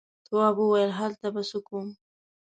تواب وويل: هلته به څه کوم.